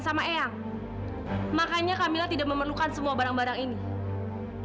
tante mau menyampaikan rencana kamila yang akan meninggalkan ginjalnya